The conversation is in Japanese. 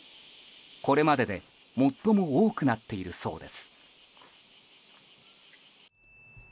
これまでで最も多くなっているそうです。